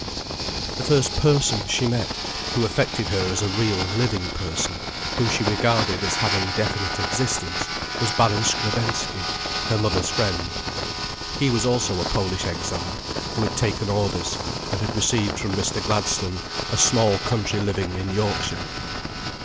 The first person she met, who affected her as a real, living person, whom she regarded as having definite existence, was Baron Skrebensky, her mother's friend. He also was a Polish exile, who had taken orders, and had received from Mr. Gladstone a small country living in Yorkshire.